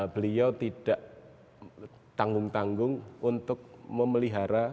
beliau tidak tanggung tanggung untuk memelihara